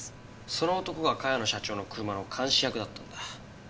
その男が茅野社長の車の監視役だったんだ。